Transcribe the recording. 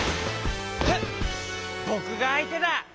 ハッぼくがあいてだ！